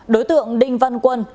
đối tượng đinh văn quân